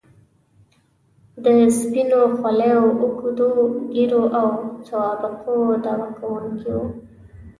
د سپینو خولیو، اوږدو ږیرو او سوابقو دعوه کوونکي وو.